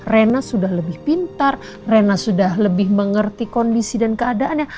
rena sudah lebih pintar rena sudah lebih mengerti kondisi dan keadaannya